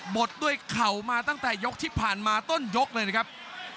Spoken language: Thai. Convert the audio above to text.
หมดด้วยเข่ามาตั้งแต่ยกที่ผ่านมาต้นยกเลยนะครับ